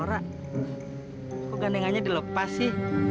laura kok gandengannya dilepas sih